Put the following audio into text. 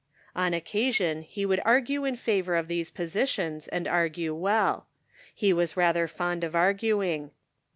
" On occasion he could argue in favor of these positions, and argue well. He was rather fond of arguing.